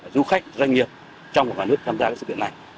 du khách doanh nghiệp trong và ngoài nước tham gia sự kiện này